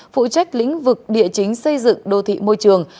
phụ trách lĩnh vực địa chính xây dựng đô thị môi trường